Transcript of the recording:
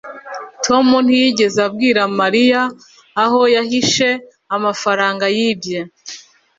tom ntiyigeze abwira mariya aho yahishe amafaranga yibye